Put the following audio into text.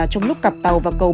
chú hóa t một mươi